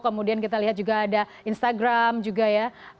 kemudian kita lihat juga ada instagram juga ya